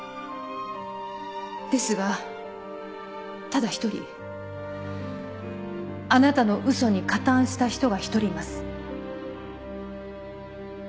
ですがただ一人あなたの嘘に加担した人が一人います。